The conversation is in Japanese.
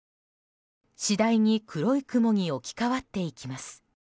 次第に黒い雲に置き換わっていきます。